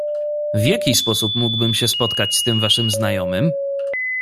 "W jaki sposób mógłbym się spotkać z tym waszym znajomym?"